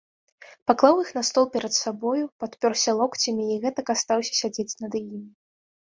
Паклаў іх на стол перад сабою, падпёрся локцямі і гэтак астаўся сядзець над імі.